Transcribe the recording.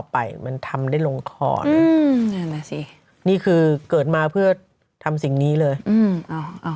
ไปมันทำได้ลงครนี่คือเกิดมาเพื่อทำสิ่งนี้เลยเอาเอา